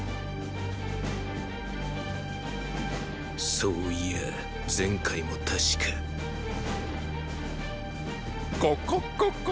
そういや前回も確かココココ。